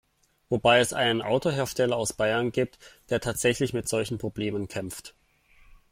Wobei es einen Autohersteller aus Bayern gibt, der tatsächlich mit solchen Problemen kämpft.